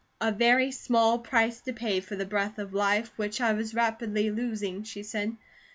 "A very small price to pay for the breath of life, which I was rapidly losing," she said.